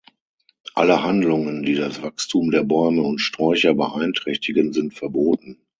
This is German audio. Alle Handlungen, die das Wachstum der Bäume und Sträucher beeinträchtigen, sind verboten.